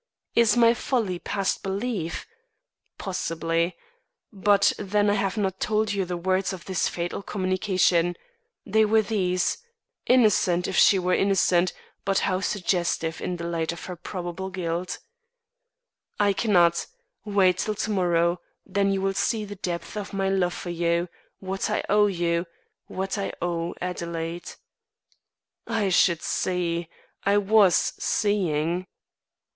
Is my folly past belief? Possibly. But then I have not told you the words of this fatal communication. They were these innocent, if she were innocent, but how suggestive in the light of her probable guilt: "I cannot. Wait till to morrow. Then you will see the depth of my love for you what I owe you what I owe Adelaide." I should see! I was seeing.